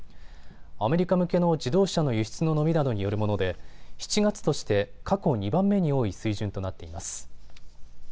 アメリカ向けの自動車の輸出の伸びなどによるもので７月として過去２番目に多い水準となっています。